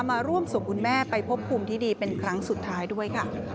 มาร่วมส่งคุณแม่ไปพบภูมิที่ดีเป็นครั้งสุดท้ายด้วยค่ะ